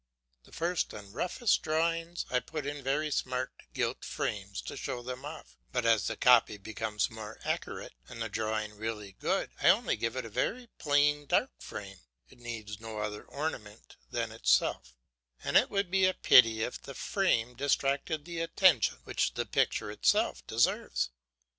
The first and roughest drawings I put in very smart gilt frames to show them off; but as the copy becomes more accurate and the drawing really good, I only give it a very plain dark frame; it needs no other ornament than itself, and it would be a pity if the frame distracted the attention which the picture itself deserves.